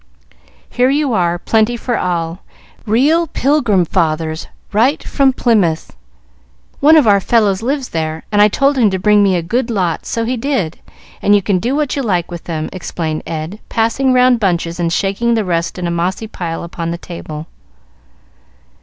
"Here you are, plenty for all. Real Pilgrim Fathers, right from Plymouth. One of our fellows lives there, and I told him to bring me a good lot; so he did, and you can do what you like with them," explained Ed, passing round bunches and shaking the rest in a mossy pile upon the table.